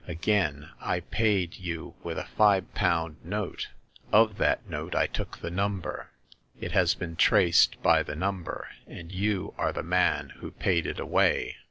Again, I paid you with a five pound note. Of that note I took the number. It has been traced by the number, and you are the man who paid it away.